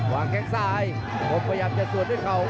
แข้งซ้ายคมพยายามจะสวนด้วยเข่า